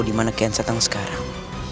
dimana kian santang sekarang